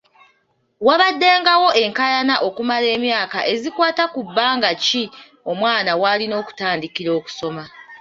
Wabaddengawo enkaayana okumala emyaka ezikwata ku bbanga ki omwana w’alina okutandikira okusoma.